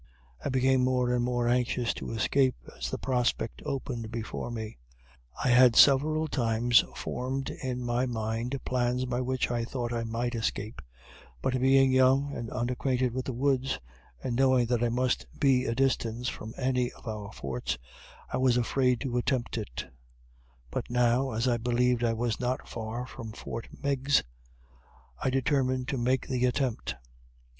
I became more and more anxious to escape, as the prospect opened before me. I had several times formed in my mind plans by which I thought I might escape, but being young and unacquainted with the woods, and knowing that I must be a distance from any of our forts, I was afraid to attempt it; but now, as I believed I was not far from Fort Meigs, I determined to make the attempt.